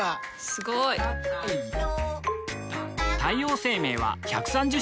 すごい！太陽生命は１３０周年